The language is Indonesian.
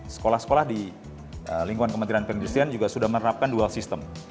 sekolah sekolah di lingkungan kementerian perindustrian juga sudah menerapkan dual system